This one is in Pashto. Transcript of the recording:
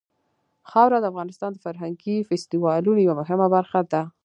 خاوره د افغانستان د فرهنګي فستیوالونو یوه مهمه برخه ده.